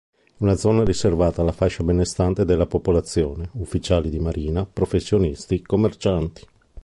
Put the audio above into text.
È una zona riservata alla fascia benestante della popolazione: ufficiali di marina, professionisti, commercianti.